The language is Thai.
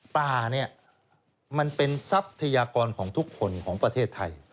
ป่าเนี่ยมันเป็นทรัพยากรของทุกคนของประเทศไทย